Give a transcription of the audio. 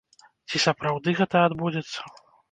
Ці сапраўды гэта адбудзецца?